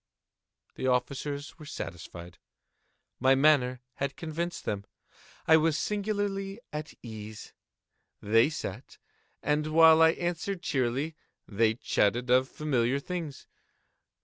The officers were satisfied. My manner had convinced them. I was singularly at ease. They sat, and while I answered cheerily, they chatted of familiar things.